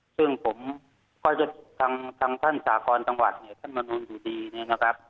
ซึ่งผมก็จะทั้งท่านสาคอนต่างหวัดท่านมณูนอยู่ดีนะครับ